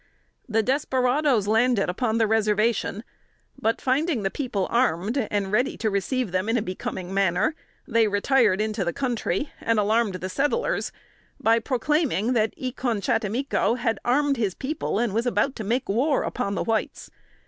The desperadoes landed upon the Reservation; but finding the people armed, and ready to receive them in a becoming manner, they retired into the country and alarmed the settlers, by proclaiming that E con chattimico had armed his people and was about to make war upon the whites.